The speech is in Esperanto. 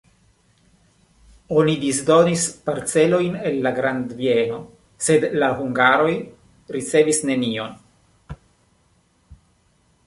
Oni disdonis parcelojn el la grandbieno, sed la hungaroj ricevis nenion.